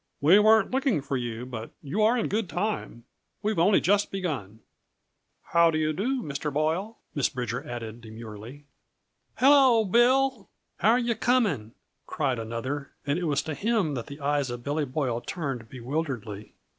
"We weren't looking for you, but you are in good time. We've only just begun." "How do you do, Mr. Boyle?" Miss Bridger added demurely. "Hello, Bill! How're yuh coming?" cried another, and it was to him that the eyes of Billy Boyle turned bewilderedly.